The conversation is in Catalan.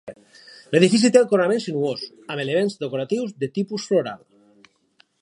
L'edifici té el coronament sinuós, amb elements decoratius de tipus floral.